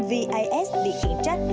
vis bị kiển trách